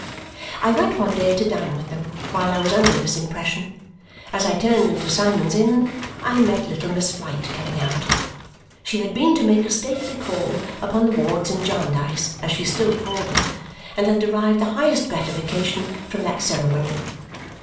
I went one day to dine with them while I was under this impression. As I turned into Symond's Inn, I met little Miss Flite coming out. She had been to make a stately call upon the wards in Jarndyce, as she still called them, and had derived the highest gratification from that ceremony.